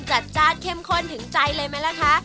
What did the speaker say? จัดจานเค็มขนถึงใจเลยมั้ยคะ